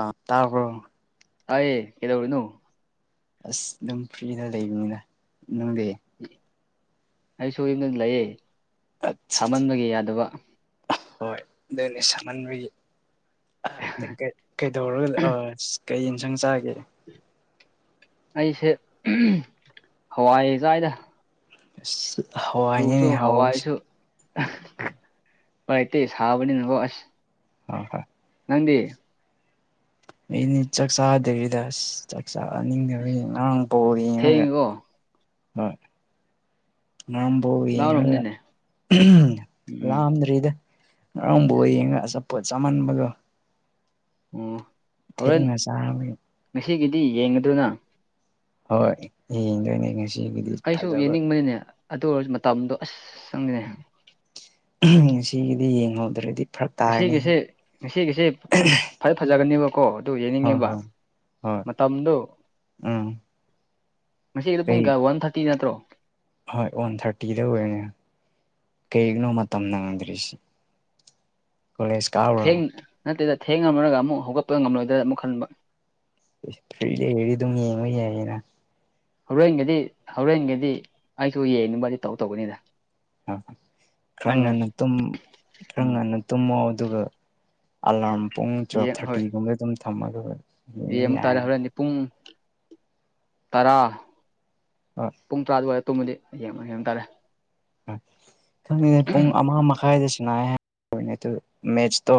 ꯑ ꯇꯥ ꯑꯌꯦ ꯀꯗꯧꯔꯅꯣ ꯑꯁ ꯑꯗꯨꯝ ꯐ꯭ꯔꯤꯗ ꯂꯩꯕꯅꯤꯅ ꯅꯨꯡꯗꯤ ꯑꯩ ꯁꯝꯗꯪ ꯂꯥꯛꯑꯦ ꯑ ꯍꯣꯏ ꯑꯗꯨꯅꯦ ꯁꯃꯅꯒꯤ ꯀꯩꯗꯧꯔꯣꯏ ꯀꯩ ꯌꯦꯟꯁꯥꯡ ꯆꯥꯒꯦ ꯑꯩꯁꯦ ꯍꯋꯥꯏꯖꯥꯏꯗ ꯍꯋꯥꯏꯅꯦꯅꯦ ꯍꯥꯎꯁ ꯄꯥꯏꯇ ꯍꯥꯎꯕꯅꯤꯅꯕꯣꯁ ꯑ ꯐ ꯅꯪꯗꯤ ꯑꯩꯅ ꯆꯥꯛ ꯆꯥꯗꯕꯤꯗꯁ ꯆꯥꯛ ꯑꯁ ꯆꯥꯅꯤꯡꯗꯕꯉꯥꯡ ꯄꯧ ꯌꯦꯡꯉꯒ ꯊꯦꯡꯉꯦꯀꯣ ꯍꯣꯏ ꯅꯕꯨꯧ ꯌꯦꯡꯉꯒ ꯂꯥꯎꯔꯝꯅꯤꯅꯦ ꯎꯝ ꯂꯥꯑꯝꯗ꯭ꯔꯤꯗ ꯉꯔꯥꯡꯕ ꯌꯦꯡꯉꯒ ꯑꯆꯥꯄꯣꯠ ꯆꯥꯃꯟꯕꯗꯣ ꯎꯝ ꯊꯦꯡꯅ ꯆꯥꯔꯃꯤ ꯉꯁꯤꯒꯤꯗꯤ ꯌꯦꯡꯗꯨꯅ ꯍꯣꯏ ꯌꯦꯡꯗꯣꯏꯅꯦ ꯉꯁꯤꯒꯤꯗꯤ ꯑꯩꯁꯨ ꯐꯖꯕ ꯌꯦꯡꯅꯤꯡꯕꯅꯤꯅꯦ ꯑꯗꯨ ꯑꯣꯏꯔꯁꯨ ꯃꯇꯝꯗꯣ ꯑꯁ ꯆꯪꯉꯤꯅꯦ ꯁꯤꯒꯤꯗꯤ ꯌꯦꯡꯍꯧꯗ꯭ꯔꯗꯤ ꯐꯔꯛ ꯇꯥꯔꯅꯤ ꯉꯁꯤꯒꯤꯁꯤꯦ ꯉꯁꯤꯒꯤꯁꯦ ꯐꯔ ꯐꯖꯒꯅꯦꯕ ꯀꯣ ꯑꯗꯨ ꯍꯣꯏ ꯌꯦꯡꯅꯤꯡꯉꯦꯕ ꯍꯣꯏ ꯍꯣꯏ ꯃꯇꯝꯗꯨꯣ ꯎꯝ ꯃꯁꯤꯗꯣ ꯄꯨꯡ ꯀꯩ ꯀꯌꯥ ꯋꯥꯟ ꯊꯥꯔꯇꯤ ꯅꯠꯇ꯭ꯔꯣ ꯍꯣꯏ ꯋꯥꯟ ꯊꯥꯔꯇꯤꯗ ꯑꯣꯏꯅꯤ ꯀꯩꯒꯤꯅꯣ ꯃꯇꯝ ꯅꯪꯗ꯭ꯔꯤꯁꯤ ꯀ ꯁꯀꯥꯎ ꯊꯦꯡ ꯅꯠꯇ꯭ꯔꯦꯗ ꯊꯦꯡ ꯉꯝꯃꯔꯒ ꯑꯃꯨꯛ ꯍꯧꯒꯠꯄ ꯉꯝꯂꯣꯏꯗ꯭ꯔꯥ ꯑꯃꯨꯛ ꯈꯟꯕ ꯐꯗꯤꯗꯤ ꯑꯗꯨꯝ ꯌꯦꯡꯕ ꯌꯥꯏꯌꯦꯅ ꯍꯣꯔꯦꯟꯒꯗꯤ ꯍꯣꯔꯦꯟꯒꯗꯤ ꯑꯩꯁꯨ ꯌꯦꯡꯅꯤꯡꯕꯗꯤ ꯇꯧ ꯇꯧꯕꯅꯤꯗ ꯈ꯭ꯔꯪ ꯅꯪꯅ ꯉꯟꯅ ꯈꯪ ꯎꯝ ꯉꯟꯅ ꯇꯨꯝꯃꯣ ꯑꯗꯨꯒ ꯑꯜꯂꯔꯝ ꯄꯨꯡ ꯆ ꯊꯥꯔꯇꯤꯒꯨꯝꯗꯦ ꯇꯝ ꯊꯝꯃꯗꯧꯦ ꯑꯦ ꯑꯃ ꯇꯥꯔꯦ ꯍꯧꯔꯅꯤ ꯄꯨꯡ ꯇꯔꯥ ꯍꯣꯏ ꯄꯨꯡ ꯇꯔꯥ ꯑꯗꯨꯋꯥꯏꯗ ꯇꯨꯝꯕꯗꯤ ꯌꯦꯡꯕ ꯌꯦꯕ ꯇꯥꯔꯦ ꯈꯪꯉ ꯄꯨꯡ ꯑꯃ ꯃꯈꯥꯏꯗ ꯁꯤꯅ ꯍꯥꯏꯅꯦ ꯑꯗꯨ ꯃꯦꯠꯁꯇꯣ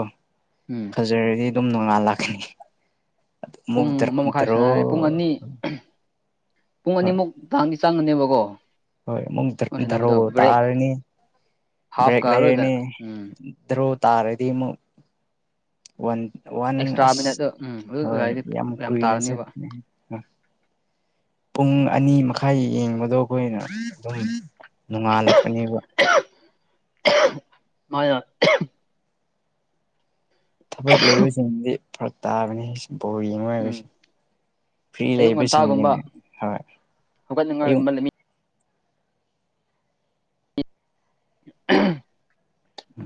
ꯎꯝ ꯐꯖꯔꯗꯤ ꯑꯗꯨꯝ ꯅꯣꯡꯉꯥꯜꯂꯥꯛꯀꯅꯤ ꯄꯨꯡ ꯑꯃ ꯃꯈꯥꯏ ꯁꯥꯟꯅꯔꯦ ꯄꯨꯡ ꯑꯅꯤ ꯄꯨꯡ ꯍꯣꯏ ꯑꯅꯤꯃꯨꯛ ꯇꯍꯥꯟꯒꯤ ꯆꯪꯒꯅꯦꯕꯀꯣ ꯍꯣꯏ ꯑꯃꯨꯛ ꯃꯣꯏ ꯙꯔꯣ ꯁꯥꯟꯅꯕꯗꯣ ꯕ꯭ꯔꯦꯛ ꯇꯥꯔꯅꯤ ꯕ꯭ꯔꯦꯛ ꯍꯥꯐꯀ ꯑꯗꯨꯋꯥꯏꯗ ꯂꯩꯔꯅꯤ ꯎꯝ ꯏ꯭ꯔꯣ ꯇꯥꯔꯗꯤꯃ ꯋꯥ ꯑꯦꯛꯁꯇ꯭ꯔꯥ ꯋꯥꯟꯁ ꯃꯤꯅꯠꯇꯣ ꯎꯝ ꯑꯗꯨ ꯍꯣꯏ ꯑꯗꯨꯋꯥꯏꯗꯤ ꯌꯥꯝ ꯀꯨꯏꯅ ꯆ ꯇꯥꯒꯅꯦꯕ ꯄꯨꯡ ꯑꯅꯤ ꯃꯈꯥꯏ ꯌꯦꯡꯕꯗꯣ ꯑꯩꯈꯣꯏꯅ ꯑꯗꯨꯝ ꯅꯣꯡꯉꯥꯜꯂꯛꯄꯅꯦꯕ ꯃꯥ ꯌꯥ ꯊꯕꯛ ꯂꯩꯕꯁꯤꯡꯗꯤ ꯐꯔꯛ ꯇꯥꯕꯅꯤ ꯕꯧ ꯌꯦꯡꯉ ꯎꯝ ꯍꯥꯏꯕꯁꯦ ꯐ꯭ꯔꯤ ꯑꯌꯨꯛ ꯉꯟꯇꯥꯒꯨꯝꯕ ꯂꯩꯕꯁꯤꯡꯁꯤꯅꯦ ꯍꯣꯏ ꯑꯌꯨꯛ ꯍꯧꯒꯠꯅꯤꯡꯉꯥꯏꯒꯨꯝꯕ ꯂꯩ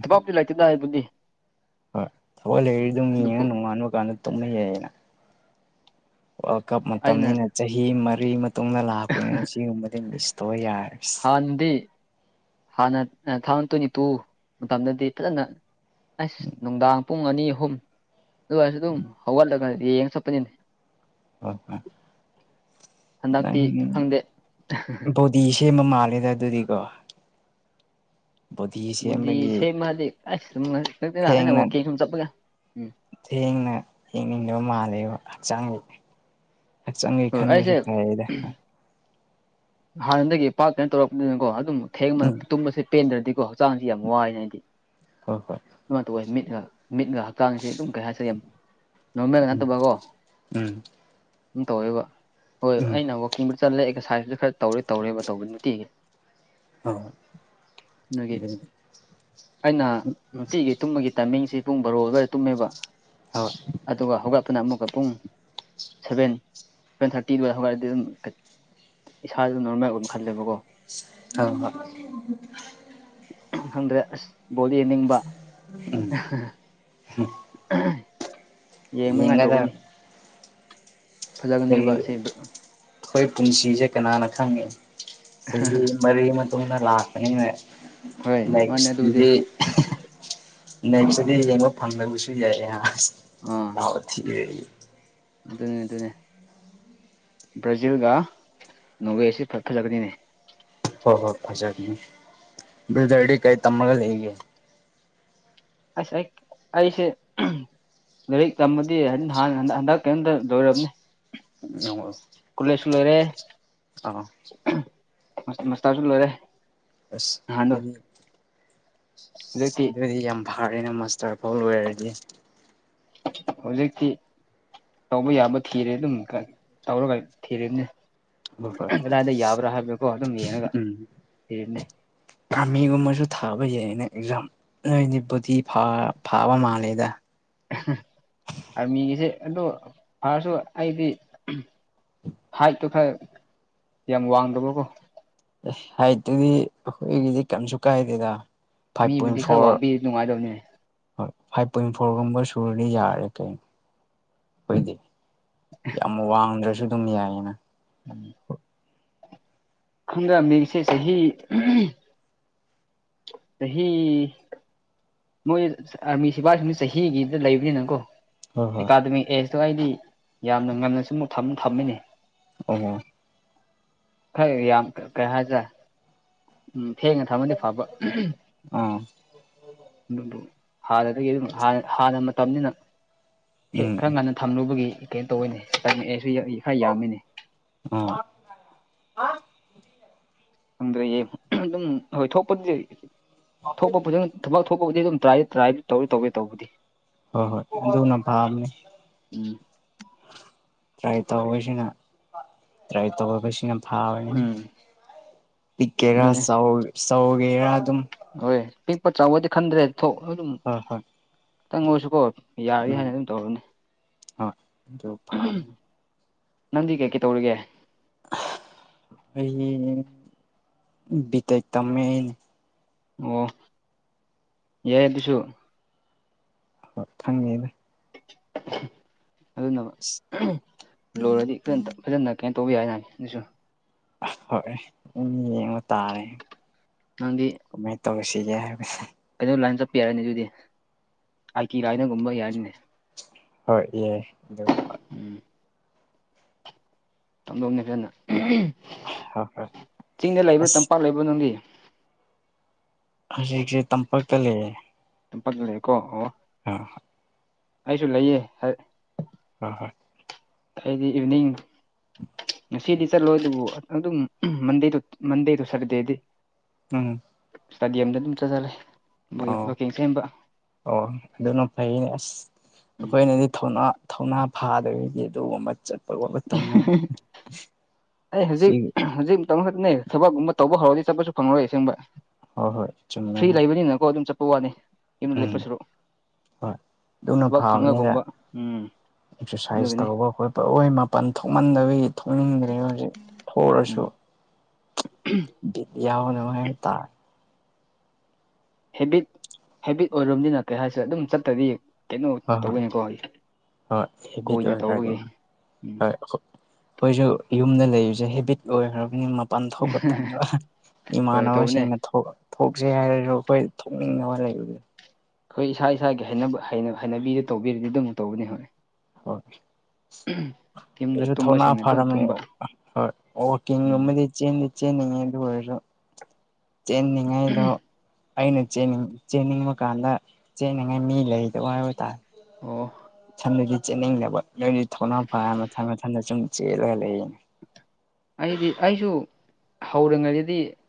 ꯑꯄꯥꯞꯇ ꯂꯩꯥꯏꯇꯗ ꯍꯥꯏꯕꯗꯤ ꯍꯣꯏ ꯊꯋꯥꯛ ꯂꯩꯔꯤ ꯑꯗꯨꯝ ꯌꯦꯡꯉ ꯅꯣꯡꯉꯥꯟꯕ ꯀꯥꯟꯗ ꯇꯨꯝꯅ ꯌꯥꯏꯌꯦꯅ ꯋꯥꯔꯜ ꯀꯞ ꯑꯩꯅ ꯃꯇꯝꯅꯤꯅ ꯆꯍꯤ ꯃꯔꯤ ꯃꯇꯨꯡꯗ ꯂꯥꯛꯄꯅꯤꯅ ꯁꯤꯒꯨꯝꯕꯗꯤ ꯃꯤꯁ ꯇꯧꯕ ꯌꯥꯔꯦ ꯗꯤ ꯍꯥꯟꯅ ꯊꯥꯎꯖꯟ ꯇ꯭ꯋꯦꯟꯇꯤ ꯇꯨ ꯃꯇꯝꯗꯗꯤ ꯐꯖꯅ ꯑꯁ ꯅꯨꯡꯗꯥꯡ ꯄꯨꯡ ꯑꯅꯤ ꯑꯍꯨꯝ ꯑꯗꯨꯏꯔꯁꯨ ꯑꯗꯨꯝ ꯍꯧꯒꯠꯂꯒ ꯌꯦꯡꯉ ꯆꯠꯄꯅꯤꯅꯦ ꯑꯣ ꯍꯣꯏ ꯍꯟꯗꯛꯇꯤ ꯈꯪꯗꯦ [unintelligible] ꯄꯤ ꯁꯦꯝꯕ ꯃꯥꯜꯂꯦꯗ ꯑꯗꯨꯗꯤꯀꯣ ꯕꯣꯗꯤ ꯕꯨꯗꯤ ꯁꯦꯝꯕꯒꯤ ꯁꯦꯝꯃꯗꯤ ꯑꯁ [unintelligible] ꯊꯦꯡꯅ ꯋꯀꯤꯡ ꯁꯨꯝ ꯆꯠꯄꯒꯦ ꯊꯦꯡꯅ ꯌꯦꯡꯅꯤꯡꯗꯕ ꯃꯥꯜꯂꯦꯕ ꯍꯛꯆꯥꯡ ꯍꯛꯆꯥꯡꯒꯤ ꯍꯣꯏ ꯑꯩꯁꯦ ꯈꯟꯕꯁꯨ ꯐꯔꯦꯗꯥ ꯍꯥꯟꯅꯗꯒꯤ ꯄꯥꯛꯇꯅ ꯇꯧꯔꯛꯄꯅꯤꯅꯀꯣ ꯑꯗꯨꯝ ꯊꯦꯡꯕꯅ ꯎꯝ ꯇꯨꯝꯕꯁꯦ ꯄꯦꯟꯗ꯭ꯔꯗꯤꯀꯣ ꯍꯛꯆꯥꯡꯁꯦ ꯌꯥꯝ ꯋꯥꯏꯅ ꯑꯩꯗꯤ ꯍꯣꯏ ꯍꯣꯏ ꯑꯗꯨꯃꯥꯏ ꯇꯧꯋꯦ ꯃꯤꯠꯑꯥ ꯃꯤꯠꯒ ꯍꯛꯇꯥꯥꯡꯁꯦ ꯑꯗꯨꯝ ꯀꯩ ꯍꯥꯏꯁꯤꯒꯦ ꯅꯣꯔꯃꯦꯜ ꯎꯝ ꯅꯠꯇꯕꯒꯣ ꯎꯝ ꯗꯨꯝ ꯇꯧꯋꯦꯕ ꯍꯣꯏ ꯎꯝ ꯑꯩꯅ ꯋꯥꯛꯀꯤꯡꯕꯨ ꯆꯠꯂꯦ ꯑꯦꯛꯁꯔꯁꯥꯏꯖꯁꯨ ꯈꯔ ꯇꯧꯔꯦ ꯇꯧꯔꯦꯕ ꯇꯧꯕ ꯅꯨꯡꯇꯤꯒꯤ ꯍꯣꯏ ꯅꯨꯒꯤ ꯍꯣꯏ ꯑꯩꯅ ꯅꯨꯡꯇꯤꯒꯤ ꯇꯨꯝꯕꯒꯤ ꯇꯥꯏꯃꯤꯡꯁꯤ ꯄꯨꯡ ꯕꯥꯔꯣ ꯑꯗ꯭ꯋꯥꯏ ꯇꯨꯝꯃꯦꯕ ꯍꯣꯠ ꯑꯗꯨꯒ ꯍꯧꯒꯠꯄꯅ ꯑꯃꯨꯛꯀ ꯄꯨꯡ ꯁꯚꯦꯟ ꯚꯦꯟ ꯊꯥꯔꯇꯤ ꯑꯗ꯭ꯋꯥꯏ ꯍꯧꯒꯠꯂꯗꯤ ꯑꯗꯨꯝ ꯏꯁꯥꯗ ꯅꯣꯔꯃꯦꯜꯑꯣꯏ ꯈꯜꯂꯦꯕꯀꯣ ꯍꯣ ꯍꯣꯏ ꯈꯪꯗ꯭ꯔꯦ ꯑꯁ ꯕꯣꯜꯗꯤ ꯌꯦꯡꯅꯤꯡꯕ ꯎꯝ ꯌꯦꯡꯅꯉꯥꯏ ꯌꯦꯡꯒꯗꯕ ꯇꯧꯒꯅꯤ ꯐꯖꯒꯅꯦꯕ ꯀꯔꯤ ꯑꯁꯤ ꯑꯩꯈꯣꯏ ꯄꯨꯟꯁꯤꯁꯦ ꯀꯅꯥꯅ ꯈꯪꯉꯦ ꯆꯍꯤ ꯃꯔꯤ ꯃꯇꯨꯡꯗ ꯂꯥꯛꯄꯅꯤꯅꯦ ꯍꯣꯏ ꯃꯥꯅꯦ ꯑꯗꯨꯕꯨꯗꯤ ꯅꯦꯛꯁꯀꯤꯗꯤ ꯅꯦꯛꯁꯇꯗꯤ ꯌꯦꯡꯕ ꯐꯪꯗꯕꯁꯨ ꯌꯥꯏꯌꯦꯅ ꯑꯥ ꯂꯥꯎꯑꯣ ꯊꯤꯔ ꯑꯗꯨꯅꯦ ꯑꯗꯨꯅꯦ ꯕ꯭ꯔꯥꯖꯤꯜꯒ ꯅꯣꯋꯦꯁꯤ ꯐꯠ ꯐꯖꯒꯅꯤꯅꯦ ꯍꯣ ꯍꯣꯏ ꯐꯖꯒꯤꯅꯤ ꯕ꯭ꯔꯥꯗꯔꯗꯤ ꯀꯩ ꯇꯝꯃꯒ ꯂꯩꯒꯦ ꯑꯁ ꯑꯩ ꯑꯩꯁꯦ ꯂꯥꯏꯔꯤꯛ ꯇꯝꯃꯗꯤ ꯍꯟ ꯍꯥꯟ ꯍꯟꯗꯛ ꯍꯟꯗꯛ ꯀꯔꯤꯝꯇ ꯂꯣꯏꯔꯝꯅꯤ [unintelligible] ꯀꯨꯂꯦꯁꯨ ꯂꯣꯢꯔꯦ ꯑꯥ ꯃꯁꯇꯥꯔꯁꯨ ꯂꯣꯏꯔꯦ ꯑꯁ ꯅꯍꯥꯟꯗꯣ ꯑꯗꯨꯗꯤ ꯍꯧꯖꯤꯛꯇꯤ ꯑꯗꯨꯢꯗꯤ ꯌꯥꯝ ꯥꯐꯥꯔꯦꯅ ꯃꯁꯇꯔ ꯐꯥꯎ ꯂꯣꯏꯔꯗꯤ ꯍꯧꯖꯤꯛꯇꯤ ꯇꯧꯕ ꯌꯥꯕ ꯊꯤꯔꯦ ꯑꯗꯨꯝ ꯈꯥ ꯇꯧꯔꯒ ꯊꯤꯔꯦꯅꯦ ꯀꯗꯥꯏꯗ ꯌꯥꯕ꯭ꯔꯥ ꯍꯥꯏꯕꯀꯣ ꯑꯗꯨꯝ ꯌꯦꯡꯉꯒ ꯊꯤꯔꯤꯅꯦ ꯑꯥꯃꯤꯒꯨꯝꯕꯖꯨ ꯊꯥꯕ ꯌꯥꯏꯌꯦꯅ ꯑꯦꯛꯖꯥꯝ ꯅꯣꯏꯗꯤ ꯄꯨꯇꯤ ꯐꯥ ꯐꯥꯕ ꯃꯥꯜꯂꯦꯗ ꯑꯥꯔꯃꯤꯒꯤꯁꯦ ꯑꯗꯨ ꯐꯥꯔꯁꯨ ꯑꯩꯗꯤ ꯍꯥꯏꯠꯇꯣ ꯈꯔ ꯌꯥꯝ ꯋꯥꯡꯗꯕꯀꯣ ꯑꯦ ꯍꯥꯏꯠꯇꯨꯒꯤ ꯑꯩꯈꯣꯏꯒꯤꯗꯤ ꯀꯝꯁꯨ ꯀꯥꯏꯗꯦꯗ ꯐꯥꯏꯚ ꯄꯣꯏꯟ ꯃꯤꯕꯨꯗꯤ ꯈꯔ ꯐꯣꯔ ꯋꯥꯡꯕꯤ ꯅꯨꯡꯉꯥꯏꯗꯕꯅꯦ ꯍꯣꯏ ꯐꯥꯏꯚ ꯄꯣꯏꯟ ꯐꯣꯔꯒꯨꯝꯕ ꯁꯨꯔꯗꯤ ꯌꯥꯔꯦ ꯀꯩꯅꯣ ꯑꯩꯈꯣꯏꯗꯤ ꯌꯥꯝ ꯋꯥꯡꯗ꯭ꯔꯁꯨ ꯑꯗꯨꯝ ꯌꯥꯏꯌꯦꯅ ꯎꯝ ꯈꯪꯗꯦ ꯃꯤꯡꯁꯦ ꯆꯍꯤ [unintelligible] ꯆꯍꯤ ꯃꯣꯏ ꯑꯥꯔꯃꯤ ꯁꯤꯕꯥ ꯁꯤꯡ ꯆꯍꯤꯒꯤꯗ ꯂꯩꯕꯅꯤꯅ ꯀꯣ ꯍꯣꯏ ꯍꯣꯏ ꯑꯦꯀꯥꯗꯃꯤꯛ ꯑꯦꯖꯇꯨ ꯑꯩꯗꯤ ꯌꯥꯝꯅ ꯉꯟꯅ ꯁꯨꯝ ꯊꯝ ꯊꯝꯃꯤꯅꯦ ꯑꯣ ꯍꯣ ꯈꯔ ꯌꯥꯝ ꯀꯥ ꯀꯥ ꯍꯥꯏꯖꯦ ꯎꯝ ꯊꯦꯡꯅ ꯊꯝꯃꯗꯤ ꯐꯕ ꯑꯥ ꯑꯗꯨꯕꯨ ꯍꯥꯗ ꯑꯗꯨꯒꯤ ꯑꯗꯨꯗꯨꯝ ꯍꯥꯟꯅ ꯍꯥꯟꯅ ꯃꯇꯝꯅꯤꯅ ꯍꯦꯛ ꯎꯝ ꯈꯔ ꯉꯟꯅ ꯊꯝꯂꯨꯕꯒꯤ ꯀꯩꯅꯣ ꯇꯧꯋꯤꯅꯤꯝꯑ ꯑꯩꯁꯨ ꯈꯔ ꯌꯥꯝꯃꯤꯅꯤ ꯎꯝ ꯈꯪꯗ꯭ꯔꯦꯌꯦꯦ ꯑꯗꯨꯝ ꯍꯣꯏ ꯊꯣꯛꯄꯗꯤꯗꯤ ꯊꯣꯛꯄ ꯐꯖ ꯊꯕꯛ ꯊꯣꯛꯄꯕꯨꯗꯤ ꯑꯗꯨꯝ ꯇ꯭ꯔꯥꯏꯗꯤ ꯇꯥꯏ ꯍꯣꯏ ꯍꯣꯏ ꯑꯗꯅ ꯚꯞꯅꯦ ꯎꯝ ꯇ꯭ꯔꯥꯏ ꯇꯧꯕꯁꯤꯅ ꯇ꯭ꯔꯥꯏ ꯇꯧꯁꯤꯅ ꯐ ꯎꯝ ꯄꯤꯛꯀꯦꯔꯥ ꯑꯗꯨꯅꯦ ꯆꯧ ꯆꯧꯒꯦꯔ ꯑꯗꯨꯝ ꯍꯣꯏ ꯄꯤꯛꯄ ꯆꯥꯎꯕꯗꯤ ꯈꯟꯗ꯭ꯔꯦ ꯊꯣꯛ ꯑꯗꯨꯝ ꯍꯣꯏ ꯍꯣꯏ ꯈꯤꯇꯪ ꯑꯣꯏꯁꯨꯀꯣ ꯌꯥꯔꯤ ꯎꯝ ꯍꯥꯏꯅ ꯑꯗꯨꯝ ꯇꯧꯔꯅꯤ ꯍꯣꯏ ꯑꯗꯨ ꯐꯥꯝ ꯅꯪꯗꯤ ꯀꯩ ꯀꯩ ꯇꯧꯔꯤꯒꯦ ꯑꯩ ꯕꯤꯇꯦꯛ ꯇꯝꯃꯦ ꯑꯩꯅꯦ ꯑꯣ ꯌꯥꯏ ꯑꯗꯨꯁꯨ ꯍꯣꯏ ꯊꯪꯉꯦꯗ ꯑꯗꯨ ꯅꯕ ꯎ ꯂꯣꯏꯔꯗꯤ ꯐꯖꯅ ꯀꯩꯅꯣ ꯇꯧꯕꯤ ꯍꯥꯏꯅ ꯑꯗꯨꯁꯨ ꯍꯣꯏ ꯌꯦꯡꯕ ꯇꯥꯔꯦ ꯅꯪꯒꯤ ꯃꯦꯠꯇꯣꯁꯤ ꯌꯥ ꯍꯥꯏꯕ ꯑꯩꯩꯅꯣ ꯂꯥꯏꯟ ꯆꯠꯄ ꯌꯥꯔꯅꯤ ꯑꯗꯨꯗꯤ ꯑꯥꯏ ꯇꯤ ꯂꯥꯏꯅꯒꯨꯝꯕ ꯌꯥꯔꯅꯤꯅꯦ ꯍꯣꯏ ꯑꯦ ꯑꯗꯨꯒꯨꯝꯕ ꯎꯝ ꯇꯝꯗꯧꯅꯤ ꯐꯖꯅ ꯍꯣꯏ ꯍꯣꯏ ꯆꯤꯡꯗ ꯂꯩꯕ꯭ꯔꯥ ꯑꯁ ꯇꯝꯄꯥꯛ ꯂꯩꯕ꯭ꯔꯥꯣ ꯅꯪꯒꯤ ꯍꯧꯖꯤꯛꯁꯦ ꯇꯝꯄꯥꯛꯛꯇ ꯂꯩꯌꯦꯦ ꯄꯛ ꯂꯩꯦꯀꯣ ꯑ ꯑꯩꯁꯨ ꯂꯩꯌꯦ ꯍꯣꯏ ꯍꯣꯏ ꯑꯩꯗꯤ ꯏꯚꯤꯅꯤꯡ ꯉꯁꯤꯗꯤ ꯆꯠꯂꯣꯏ ꯑꯗꯨꯕꯨ ꯑꯗꯨꯝ ꯃꯟ ꯇ ꯃꯗ ꯇ ꯁꯔꯗꯦꯗꯤ ꯎꯝ ꯏꯁꯇꯥꯗꯤꯌꯝꯗ ꯑꯗꯨꯝ ꯆꯠꯊꯔꯦ ꯑꯣ ꯋꯥꯛꯀꯤꯡ ꯁꯦꯝꯕ ꯑꯣ ꯑꯗꯨꯅ ꯐꯩꯅꯦ ꯑꯁ ꯑꯩꯈꯣꯏꯅꯗꯤꯅꯥ ꯊꯧꯅꯥ ꯐꯥꯗꯕꯗꯤ ꯑꯗꯨꯒꯨꯝꯕ ꯆꯠ ꯋꯥꯠꯂꯇꯪꯉ ꯑꯩ ꯁꯤ ꯍꯧꯖꯤꯛ ꯍꯧꯖꯤꯛ ꯃꯇꯝ ꯈꯛꯅꯦ ꯊꯕꯛꯀꯨꯝꯕ ꯇꯧꯕ ꯍꯧꯔꯗꯤ ꯆꯠꯄꯁꯨ ꯐꯪꯂꯔꯣꯏ ꯑꯁꯦꯡꯕ ꯍꯣꯏ ꯍꯣꯏ ꯆꯨꯝꯃꯦ ꯐ꯭ꯔꯤ ꯂꯩꯕꯅꯤꯅꯀꯣ ꯑꯗꯨꯝ ꯆꯠꯄ ꯋꯥꯅꯤꯦ ꯌꯨꯝꯗ ꯂꯦꯞꯄ ꯎꯝ ꯁꯔꯛ ꯍꯣꯏ ꯑꯗꯨꯅ ꯐꯕꯅꯤꯒ ꯎꯝ ꯑꯦꯛꯁꯔꯁꯥꯏꯁ ꯑꯗꯨꯒꯤꯅꯤ ꯇꯧꯕ ꯑꯩꯣꯏ ꯄꯣꯏ ꯃꯥꯄꯟ ꯊꯣꯛꯃꯟꯗꯕꯤ ꯊꯣꯛꯅꯤꯡꯗ꯭ꯔꯦ ꯍꯧꯖꯤꯛ ꯊꯣꯛꯔꯁꯨ ꯎꯝ ꯗꯤꯌꯥ ꯍꯅꯉꯥꯏ ꯇꯥ ꯍꯦꯕꯤꯠ ꯍꯦꯕꯤꯠ ꯑꯣꯏꯔꯣꯝꯗꯤꯅ ꯀꯩ ꯍꯥꯏꯁꯦ ꯑꯗꯨꯝ ꯆꯠꯇꯗꯤ ꯍ ꯍ ꯍ ꯍꯕꯤ ꯇ ꯀꯣꯏꯅ ꯑꯣꯏꯦ ꯇꯧꯕꯒꯤ ꯎꯝ ꯍ ꯑꯩꯈꯣꯏꯁꯨ ꯌꯨꯝꯗ ꯂꯩꯔꯤꯁꯦ ꯍꯦꯕꯤꯠ ꯑꯣꯏꯈ꯭ꯔꯕꯅꯤ ꯄꯥꯡꯊꯣꯛꯄꯇꯕ ꯍꯣꯏ ꯇꯧꯕꯅꯦ ꯏꯃꯥꯟꯅꯕꯁꯤꯡꯅ ꯊꯣꯛꯆꯦ ꯍꯥꯏꯔꯁꯨ ꯑꯩꯈꯣꯏ ꯊꯣꯛꯅꯤꯡꯅꯕ ꯂꯩꯕꯗ ꯑꯩꯈꯣꯏ ꯏꯁꯥ ꯏꯁꯥꯒꯤ ꯍꯩꯅꯕꯤꯗꯨ ꯇꯧꯕꯤꯔꯗꯤ ꯑꯗꯨꯝ ꯇꯧꯕꯅꯤ ꯍꯣꯏ ꯍꯣꯏ ꯌꯨꯝꯗ ꯑꯩꯁꯨ ꯊꯧꯅꯥ ꯇꯨꯝꯕꯁꯤꯡꯅ ꯑꯗꯨꯝ ꯐꯔꯝ ꯇꯨꯝꯕ ꯎꯝ ꯍꯣꯏꯀꯤꯡꯒꯨꯝꯗꯤ ꯆꯦꯟꯗꯤ ꯆꯦꯟꯜꯂꯤꯉꯥꯏꯗ ꯑꯣꯏꯔꯣ ꯆꯦꯟꯅꯤꯉꯥꯏꯗꯣ ꯑꯩꯅꯅꯤꯡ ꯆꯦꯟꯅꯤꯡꯕ ꯀꯥꯟꯗ ꯆꯦꯅꯤꯡꯉꯥꯏ ꯃꯤ ꯂꯩꯗꯕ ꯍꯥꯏꯕ ꯇꯥꯔꯦ ꯑꯣ ꯗꯤ ꯆꯦꯟꯠꯅꯤꯡꯗꯕ ꯅꯣꯏꯗꯤ ꯊꯧꯅꯥ ꯐꯥꯏꯔ ꯃꯊꯪ ꯃꯊꯟꯇ ꯁꯨꯝ ꯆꯦꯜꯂꯒ ꯂꯩꯔꯤꯅꯦ ꯑꯩꯗꯤ ꯑꯩꯁꯨ ꯍꯧꯔꯤꯉꯩꯗꯗꯤꯅ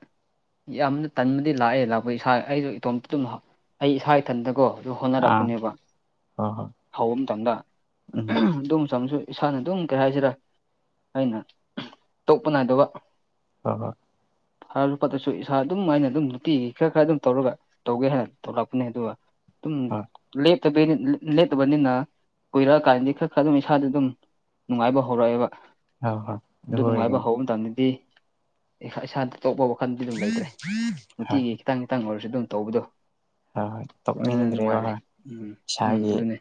ꯌꯥꯝꯅ ꯇꯟꯕꯗꯤ ꯂꯥꯛꯑꯦ ꯂꯥꯛꯄ ꯏꯁꯥ ꯑꯩꯁꯨꯅ ꯏꯇꯣꯝꯇꯇꯣ ꯑꯩ ꯏꯁꯥ ꯏꯊꯟꯗꯀꯣ ꯑꯗꯨ ꯍꯣꯠꯅꯔꯛꯄꯅꯦꯕ ꯑ ꯍ ꯍꯧꯕ ꯃꯇꯝꯗ ꯑꯗꯨꯝ ꯆꯪꯁꯨ ꯏꯁꯥꯅ ꯑꯗꯨꯝ ꯀꯩ ꯍꯥꯏꯁꯤꯔ ꯑꯩꯅ ꯇꯣꯛꯄ ꯅꯥꯏꯗꯕ ꯍ ꯍ ꯐ ꯄꯠꯇꯁꯨ ꯏꯁꯥ ꯑꯗꯨꯝ ꯑꯩꯅ ꯑꯗꯨꯝ ꯅꯨꯡꯇꯤꯒꯤ ꯈꯔ ꯈꯔ ꯑꯗꯨꯝ ꯇꯧꯔꯒ ꯇꯧꯒꯦ ꯍꯥꯏꯅ ꯇꯧꯔꯛꯄꯅꯦ ꯑꯗꯨꯒ ꯍꯣꯏ ꯑꯗꯨꯝꯦꯞꯇꯕ ꯂꯦꯞꯇꯕꯅꯤꯅ ꯀꯨꯏꯔꯛꯑꯀꯥꯟꯗꯤ ꯈꯔ ꯈꯔ ꯑꯗꯨꯝ ꯏꯁꯥꯗ ꯑꯗꯨꯝ ꯅꯨꯡꯉꯥꯏꯕ ꯍꯧꯔꯛꯑꯦꯕ ꯍꯣꯏ ꯍꯣꯏ ꯑꯗꯨ ꯅꯨꯡꯉꯥꯏꯕ ꯑꯣꯏꯒꯅꯤ ꯍꯧꯕ ꯃꯇꯝꯗꯗꯤ ꯏꯁꯥꯗ ꯇꯣꯛꯞꯄ ꯋꯥꯈꯜꯗꯤ ꯑꯗꯨꯝ ꯂꯩꯇ꯭ꯔꯦ ꯍꯣꯏ ꯅꯨꯡꯇꯤꯒꯤ ꯈꯤꯇꯪ ꯈꯤꯇꯪ ꯑꯣꯏꯔꯁꯨ ꯑꯗꯨꯝ ꯇꯧꯕꯗꯣ ꯍꯣꯏ ꯍꯣꯏ ꯑꯗꯨꯅ ꯇꯣꯛꯅꯤꯡꯗ꯭ꯔꯦꯕ ꯅꯨꯡꯉꯥꯏꯔꯦ ꯍꯣꯏ ꯎꯝ ꯎꯝ ꯏꯁꯥꯒꯤ ꯑꯗꯨꯅꯦ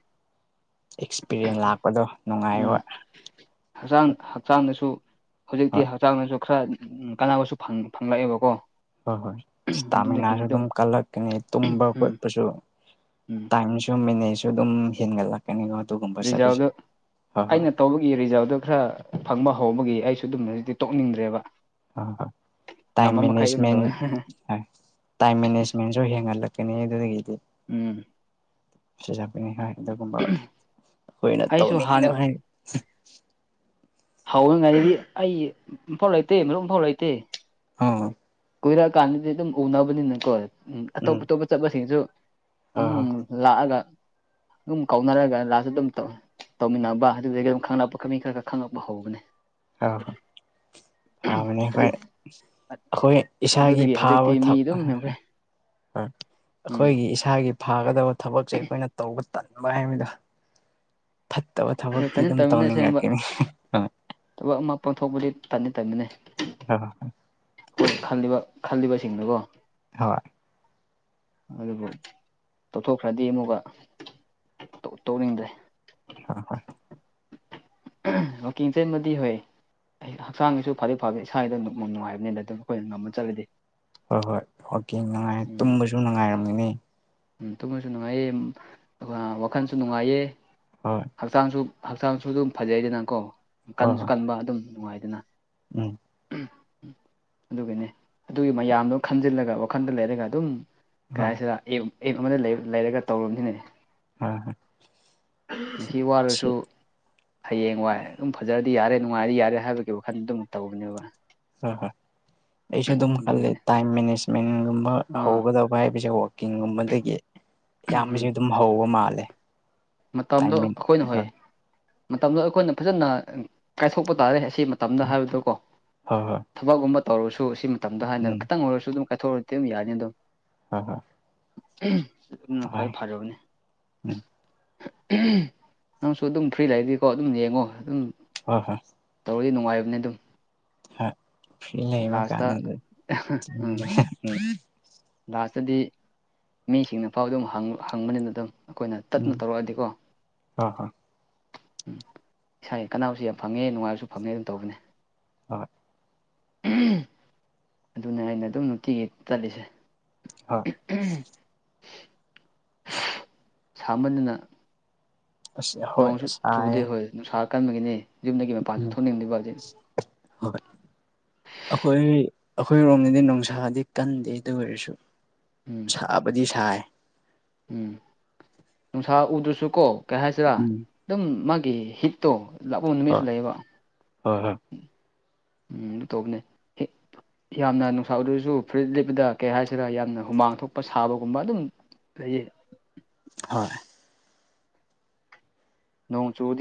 ꯑꯦꯛꯁꯄꯤꯔꯤꯌꯦꯦꯟꯟ ꯂꯥꯛꯄꯗꯣ ꯎꯝ ꯅꯨꯡꯉꯥꯏꯋ ꯍꯛꯆꯥꯡ ꯍꯛꯆꯥꯡꯗꯁꯨ ꯍꯣꯏ ꯍꯧꯖꯤꯛꯇꯤ ꯍꯛꯆꯥꯡꯗꯁꯨ ꯈꯔ ꯀꯥꯟꯅꯕꯁꯨ ꯐꯪ ꯐꯪ ꯂꯕ ꯀꯣ ꯍꯣꯏ ꯍꯣꯏ ꯏꯁꯇꯥꯃꯤꯅꯥꯁꯨ ꯑꯗꯨꯝ ꯀꯜꯂꯛꯀꯅꯤ ꯇꯨꯝꯕ ꯎꯝ ꯈꯣꯠꯄꯁꯨ ꯎꯝ ꯇꯥꯏꯝꯁꯨ ꯃꯅꯦꯁꯨ ꯑꯗꯨꯝ ꯍꯒꯂ ꯀꯩꯅꯣ ꯇꯒꯨꯝ ꯔꯤꯖꯥꯕꯗ ꯑꯩꯅ ꯇꯧꯕꯒꯤ ꯔꯤꯖꯥꯕꯗꯨ ꯈꯔ ꯐꯪꯕ ꯍꯧꯕꯒꯤ ꯑꯩꯁꯨ ꯑꯗꯨꯝ ꯍꯧꯖꯤꯛꯇꯤ ꯇꯣꯛꯅꯤꯡꯗ꯭ꯔꯦꯕ ꯇ ꯃ ꯉꯝꯃ ꯃꯈꯩ ꯑꯗꯨꯝ ꯇꯧꯋꯦ ꯇꯥꯏ ꯃ ꯣ ꯍꯡꯍꯜꯂꯀꯅꯤ ꯑꯗꯨꯗꯒꯤꯗꯤ ꯎꯝ ꯅꯤ ꯑꯗꯨꯒꯨꯝꯕ ꯑꯩꯈꯣꯏꯅ ꯑꯩꯁꯨ ꯇꯧꯅꯤꯡꯕ ꯍꯥꯟꯅ ꯍꯥꯏ ꯍꯧꯋꯏꯉꯥꯏꯗꯤ ꯑꯩ ꯏꯐꯥꯎ ꯂꯩꯇꯦ ꯃꯔꯨꯞ ꯑꯃꯐꯥꯎ ꯂꯩꯇꯦ ꯑ ꯀꯨꯏꯔꯛꯑꯀꯥꯟꯗꯗꯤ ꯑꯗꯨꯝ ꯎꯅꯕꯅꯤꯅꯀꯣ ꯑꯇꯣꯞ ꯎꯝ ꯑꯇꯣꯞꯄ ꯆꯠꯄꯁꯤꯡꯁꯨ ꯍꯣꯏ ꯑꯗꯨꯝ ꯍꯣꯏ ꯂꯥꯛꯑꯒ ꯑꯗꯨꯝ ꯀꯥꯎꯅꯔꯒ ꯂꯥꯁꯁꯨ ꯑꯗꯨꯝ ꯇꯧꯋ ꯇꯧꯃꯤꯟꯅꯕ ꯑꯗꯨꯗꯨꯗꯒꯤ ꯑꯗꯨꯝ ꯈꯪꯉꯛꯄ ꯈ ꯃꯤ ꯈꯔ ꯈꯔ ꯈꯪꯉꯛꯄ ꯍꯧꯕꯅꯦ ꯑ ꯃꯅꯤ ꯍꯈꯣꯏ ꯍꯧꯖꯤꯛ ꯑꯩꯈꯣꯏ ꯏꯁꯥꯒꯤ ꯑꯗꯨꯗꯒꯤ ꯐꯥꯕ ꯍꯧꯖꯤꯛꯇꯤ ꯃꯤ ꯑꯗꯨꯝ ꯊꯛꯣꯏ ꯌꯥꯝꯈ꯭ꯔꯦ ꯎꯝ ꯑꯩꯈꯣꯏꯒꯤ ꯏꯁꯥꯒꯤ ꯐꯥꯒꯗꯕ ꯊꯕꯛꯁꯦ ꯑꯩꯈꯣꯏꯅ ꯇꯧꯕ ꯇꯟꯕ ꯍꯥꯏꯕꯗꯣ ꯐꯠꯇꯕ ꯊꯕꯛꯇꯤ ꯇꯟꯗꯤ ꯑꯗꯨꯝ ꯇꯟꯕꯅꯦ ꯑꯁꯦꯡꯕ ꯇꯧꯅꯤꯡꯉꯛꯈꯤꯅꯤ ꯊꯕꯛ ꯑꯃ ꯄꯥꯡꯊꯣꯛꯄꯗꯤ ꯇꯅꯤ ꯇꯝꯃꯤꯅꯤ ꯍ ꯈꯜꯂꯤꯕ ꯈꯜꯂꯤꯕꯁꯤꯡꯗꯨꯀꯣ ꯍ ꯑꯗꯨꯕꯨ ꯇꯧꯊꯣꯛꯈ꯭ꯔꯗꯤ ꯑꯃꯨꯛꯒ ꯇꯧꯅꯤꯡꯗ꯭ꯔꯦ ꯍ ꯍꯣꯏ ꯋꯀꯤꯡ ꯆꯟꯃꯗꯤ ꯍꯣꯏ ꯑꯩ ꯍꯛꯆꯥꯡꯒꯤꯁꯨ ꯐꯗꯤ ꯐꯥꯗꯤꯦ ꯏꯁꯥꯗ ꯑꯗꯨ ꯅꯨꯡꯉꯥꯏꯕꯅꯤꯅ ꯑꯗꯨꯝ ꯑꯩꯈꯣꯏꯅ ꯉꯝꯃ ꯆꯠꯂꯗꯤ ꯍꯣꯏ ꯍꯣꯏ ꯑꯣꯀꯦ ꯅꯨꯡꯉꯥꯏ ꯇꯨꯝꯕꯁꯨ ꯉꯥꯏꯔꯝꯃꯤꯅꯤ ꯇꯨꯝꯅꯁꯨ ꯅꯨꯡꯉꯥꯏꯌꯦ ꯋꯥꯈꯜꯁꯨ ꯅꯨꯡꯉꯥꯏꯌꯦ ꯍꯣꯏ ꯍꯛꯆꯥꯡꯁꯨ ꯍꯛꯆꯥꯡꯁꯨ ꯑꯗꯨꯝ ꯐꯖꯩꯗꯅꯀꯣ ꯍꯣꯏ ꯍꯣꯏ ꯀꯟꯁꯨ ꯀꯟꯕ ꯑꯗꯨꯝ ꯅꯨꯡꯉꯥꯏꯗꯅ ꯎꯝ ꯎꯝ ꯎ ꯑꯗꯨꯒꯒꯤꯅꯦ ꯑꯗꯨꯒꯤ ꯃꯌꯥꯝꯗꯣ ꯈꯟꯖꯤꯜꯂꯒ ꯋꯥꯈꯜꯗ ꯂꯩꯔꯒ ꯑꯗꯨꯝ ꯍꯣꯏ ꯀꯥꯏꯁꯤꯗ ꯑꯦꯞ ꯑꯦꯞ ꯑꯃꯗ ꯂꯩꯔꯒ ꯇꯧꯔꯝꯁꯤꯅꯦꯅꯦ ꯍꯝ ꯁꯤ ꯋꯥꯔꯁꯨ ꯍꯌꯦꯡ ꯋꯥꯏ ꯑꯗꯨꯝ ꯐꯖꯔꯗꯤ ꯌꯥꯔꯦ ꯅꯨꯡꯉꯥꯏꯔꯗꯤ ꯌꯥꯔꯦ ꯍꯥꯏꯕꯒꯤ ꯋꯥꯈꯜꯗ ꯑꯗꯨꯝ ꯇꯧꯕꯅꯦꯕ ꯍꯣꯏ ꯍꯣꯏ ꯑꯩꯁꯨ ꯑꯗꯨꯝ ꯈꯂꯦ ꯑꯗꯨꯒꯤꯅꯦ ꯇꯥꯏꯝ ꯃꯦꯅꯦꯖꯃꯦꯟꯒꯨꯝꯕ ꯑꯥ ꯍꯧꯒꯗꯕ ꯍꯥꯏꯕꯁꯦ ꯋꯥꯛꯀꯤꯡꯒꯨꯝꯕꯗꯒꯤ ꯑꯌꯥꯝꯕꯁꯨ ꯑꯗꯨꯝ ꯍꯧꯕ ꯃꯥꯜꯂꯦ ꯃꯇꯝꯗꯣ ꯑꯩꯈꯣꯏꯅ ꯍꯣꯏ ꯃꯇꯝꯗꯣ ꯑꯩꯈꯣꯏꯅ ꯐꯖꯅ ꯀꯥꯏꯊꯣꯛꯄ ꯇꯥꯔꯦ ꯑꯁꯤ ꯃꯇꯝꯗ ꯍꯥꯏꯕꯗꯣꯀꯣ ꯍꯣꯏ ꯍꯣꯏ ꯊꯕꯛꯀꯨꯝꯕ ꯇꯧꯔꯁꯨ ꯁꯤ ꯃꯇꯝꯗ ꯍꯥꯏꯅ ꯎꯝ ꯈꯤꯇꯪ ꯑꯣꯏꯔꯁꯨ ꯑꯗꯨꯝ ꯀꯥꯏꯊꯣꯛꯑꯅꯤ ꯇ ꯌꯥꯖꯗꯣ ꯍ ꯍ ꯑꯗꯨꯅ ꯈ꯭ꯋꯥꯏ ꯐꯔꯕꯅꯦ ꯎꯝ ꯅꯪꯁꯨ ꯑꯗꯨꯝ ꯐ꯭ꯔꯤ ꯂꯩꯗꯤꯀꯣ ꯑꯗꯨꯝ ꯌꯦꯡꯉꯣ ꯑꯗꯨꯝ ꯍ ꯍꯣꯏ ꯇꯧꯔꯗꯤ ꯅꯨꯡꯉꯥꯏꯕꯅꯤ ꯑꯗꯨꯝ ꯍꯣꯏ ꯐ꯭ꯔꯤ ꯂꯩꯕ ꯂꯥꯁꯇ ꯀꯥꯟꯅ ꯑꯗꯨ ꯂꯇꯗꯤ ꯃꯤꯁꯤꯡꯅꯐꯥꯎ ꯑꯗꯨꯝ ꯍꯪꯕꯅꯤꯅ ꯑꯗꯨꯝ ꯑꯩꯈꯣꯏꯅ ꯇꯞꯅ ꯎꯝ ꯇꯧꯔꯛꯑꯗꯤꯀꯣ ꯍꯣꯏ ꯍꯣꯏ ꯎꯝ ꯏꯁꯥꯒꯤ ꯀꯅꯥꯕꯨꯁꯨ ꯌꯥꯝ ꯐꯪꯉꯦ ꯅꯨꯡꯉꯥꯏꯕꯁꯨ ꯐꯪꯉꯦ ꯑꯗꯨꯝ ꯇꯧꯕꯤꯅꯦ ꯑꯗꯨ ꯑꯗꯨꯅ ꯑꯩꯅ ꯑꯗꯨꯝ ꯅꯨꯡꯇꯤꯒꯤ ꯆꯠꯂꯤꯁꯦ ꯍꯣꯏ [unintelligible] ꯁꯥꯃꯟꯅ ꯑꯁ ꯍꯣꯏ ꯅꯣꯡꯁꯨ ꯆꯨꯗꯦ ꯁꯥꯏꯌꯦ ꯍꯣꯏ ꯅꯨꯡꯁꯥꯔ ꯀꯟꯕꯒꯤꯅꯤ ꯌꯨꯝꯗꯒꯤ ꯃꯄꯥꯟꯁꯨ ꯎꯝ ꯊꯣꯛꯅꯤꯡꯗꯕꯗꯤ ꯍꯣꯏ ꯑꯩꯈꯣꯏ ꯑꯩꯈꯣꯏꯔꯣꯝꯗꯗꯤ ꯅꯨꯡꯁꯥꯗꯤ ꯀꯟꯗꯦ ꯑꯗꯨ ꯑꯣꯏꯔꯁꯨ ꯎꯝ ꯁꯥꯕꯗꯤ ꯁꯥꯏ ꯎꯝ ꯅꯨꯡꯁꯥ ꯎꯗ꯭ꯔꯁꯨ ꯀꯣ ꯀꯩ ꯍꯥꯏꯁꯤꯔꯥ ꯎꯝ ꯑꯗꯨꯝ ꯃꯥꯒꯤ ꯍꯤꯠꯇꯣ ꯂꯥꯛꯄ ꯅꯨꯃꯤꯠꯁꯨ ꯍꯣꯏ ꯂꯩꯌꯦꯕ ꯍꯣꯏ ꯍꯣꯏ ꯎꯝ ꯑꯗꯨ ꯇꯧꯕꯅꯦ ꯍ ꯌꯥꯝꯅ ꯅꯨꯡꯁꯥ ꯑꯣꯏꯗꯔꯁꯨ ꯐꯨꯔꯤꯠ ꯂꯤꯞꯗ ꯀꯩ ꯍꯥꯏꯁꯤꯔ ꯌꯥꯝꯅ ꯍꯨꯃꯥꯡ ꯊꯣꯛꯄ ꯁꯥꯕꯒꯨꯝꯕ ꯑꯗꯨꯝ ꯀꯩꯌꯦ ꯍꯣꯏ ꯅꯣꯡ ꯆꯣꯡ